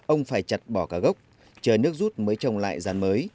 ông phải chặt bỏ cả gốc chờ nước rút mới trồng lại rán mới